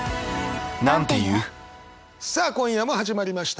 さあ今夜も始まりました。